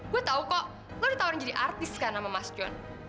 saya tahu kok anda ditawarkan menjadi artis karena nama mas john